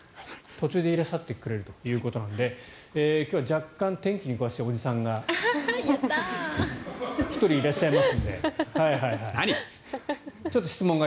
途中でいらっしゃってくれるということなので今日は若干、天気に詳しいおじさんが１人いらっしゃいますので。